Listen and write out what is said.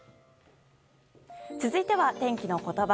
続いては、天気のことば。